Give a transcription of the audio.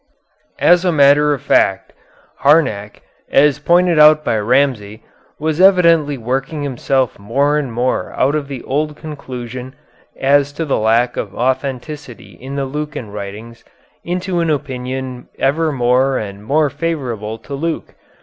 As a matter of fact, Harnack, as pointed out by Ramsay, was evidently working himself more and more out of the old conclusion as to the lack of authenticity of the Lucan writings into an opinion ever more and more favorable to Luke.